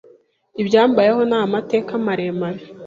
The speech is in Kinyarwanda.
Ibyambayeho ni amateka maremare